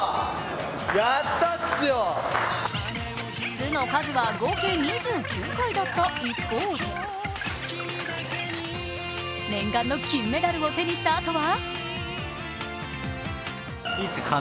「ス」の数は合計２９回だった一方で念願の金メダルを獲得したあとは？